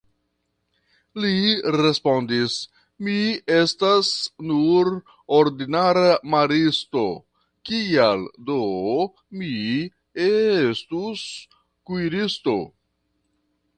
li respondis, mi estas nur ordinara maristo, kial do mi estus kuiristo?